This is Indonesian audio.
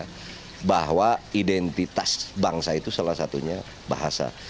untuk seluruh rakyat ya bahwa identitas bangsa itu salah satunya bahasa